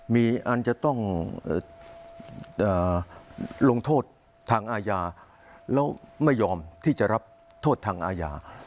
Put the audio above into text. มีอันจะต้องลงโทษทางอาญาแล้วไม่ยอมที่จะรับโทษทางอาญา